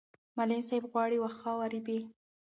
معلم صاحب غواړي واښه ورېبي.